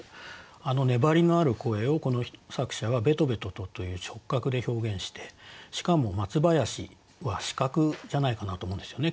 あの粘りのある声をこの作者は「べとべとと」という触覚で表現してしかも「松林」は視覚じゃないかなと思うんですよね。